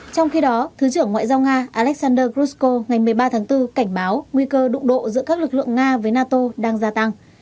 trong khi đó thứ trưởng ngoại giao nga alexander grushko ngày một mươi ba tháng bốn cảnh báo nguy cơ đụng độ giữa các lực lượng nga với nato đang gia tăng